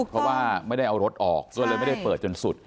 เพราะว่าไม่ได้เอารถออกก็เลยไม่ได้เปิดจนสุด